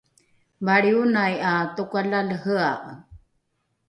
valrionai ’a tokalalehea’e